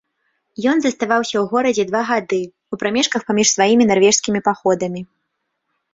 Ён заставаўся ў горадзе два гады, у прамежках паміж сваімі нарвежскімі паходамі.